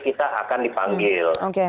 kita akan dipanggil